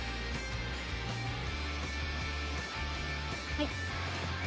はい。